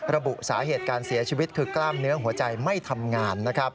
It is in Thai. ระบุสาเหตุการเสียชีวิตคือกล้ามเนื้อหัวใจไม่ทำงาน